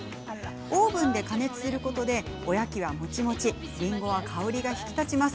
オーブンで加熱することでおやきはもちもちりんごは香りが引き立ちます。